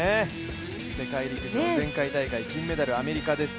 世界陸上前回大会金メダルアメリカです。